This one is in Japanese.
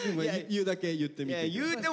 言うだけ言ってみて。